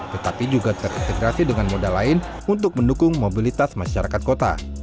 tetapi juga terintegrasi dengan moda lain untuk mendukung mobilitas masyarakat kota